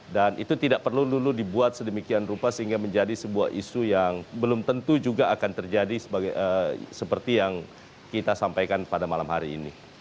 dan itu tidak perlu dulu dibuat sedemikian rupa sehingga menjadi sebuah isu yang belum tentu juga akan terjadi seperti yang kita sampaikan pada malam hari ini